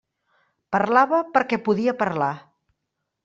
Parlava perquè podia parlar.